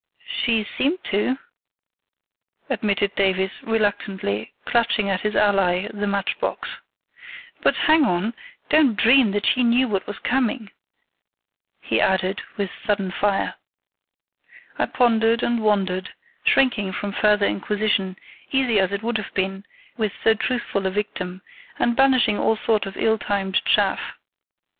"She seemed to," admitted Davies, reluctantly, clutching at his ally, the match box. "But, hang it, don't dream that she knew what was coming," he added, with sudden fire. I pondered and wondered, shrinking from further inquisition, easy as it would have been with so truthful a victim, and banishing all thought of ill timed chaff.